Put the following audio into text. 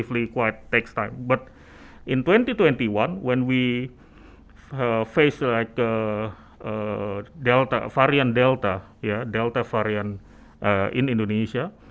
tetapi di tahun dua ribu dua puluh satu ketika kita menghadapi varian delta di indonesia